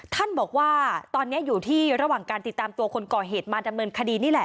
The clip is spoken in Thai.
ท่านบอกว่าตอนนี้อยู่ที่ระหว่างการติดตามตัวคนก่อเหตุมาดำเนินคดีนี่แหละ